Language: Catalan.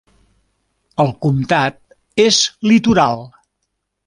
El comtat és litoral.